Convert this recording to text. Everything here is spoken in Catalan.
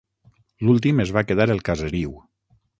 L'últim es va quedar el caseriu.